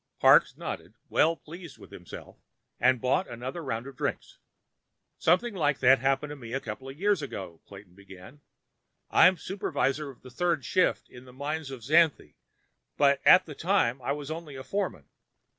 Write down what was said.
Parks nodded, well pleased with himself, and bought another round of drinks. "Something like that happened to me a couple of years ago," Clayton began. "I'm supervisor on the third shift in the mines at Xanthe, but at the time, I was only a foreman.